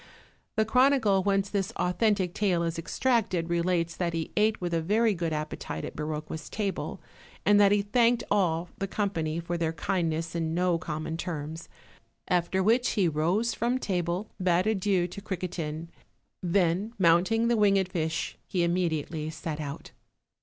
The chronicle whence this authentic tale is extracted relates that he ate with a very good appetite at Biroqua's table, and that he thanked all the company for their kindness in no common terms; after which he rose from table, bade adieu to Criquetin, then, mounting the winged fish, he immediately set out.